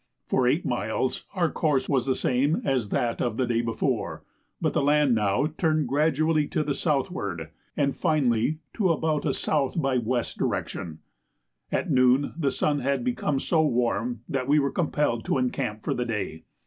For eight miles our course was the same as that of the day before, but the land now turned gradually to the southward, and finally to about a south by west direction. At noon the sun had become so warm, that we were compelled to encamp for the day.